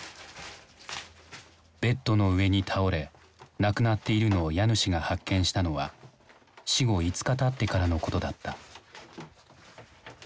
ベッドの上に倒れ亡くなっているのを家主が発見したのは死後５日たってからのことだった。